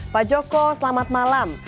pak joko selamat malam